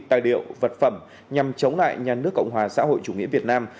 tài liệu vật phẩm nhằm chống lại nhà nước cộng hòa xã hội chủ nghĩa việt nam